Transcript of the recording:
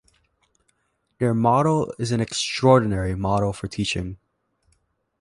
Their model is an extraordinary model for teaching.